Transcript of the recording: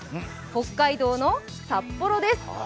北海道の札幌です。